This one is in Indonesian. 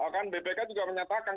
kan bpk juga menyatakan